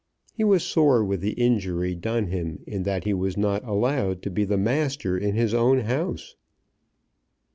He was sore with the injury done him in that he was not allowed to be the master in his own house.